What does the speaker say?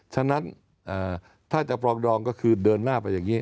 ฉะนั้นถ้าจะปรองดองก็คือเดินหน้าไปอย่างนี้